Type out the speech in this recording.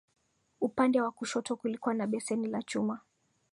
Upande wa kushoto kulikuwa na beseni la chuma